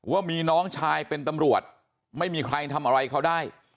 ว่ามีน้องชายเป็นตำรวจไม่มีใครทำอะไรเขาได้